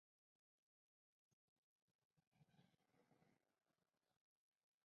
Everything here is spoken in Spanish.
Esta galaxia consiste en un bulbo y numerosos brazos espirales.